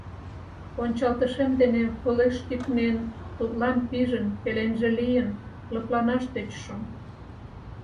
Ончалтышем дене пылеш тӱкнен, тудлан пижын, пеленже лийын, лыпланаш тӧчышым.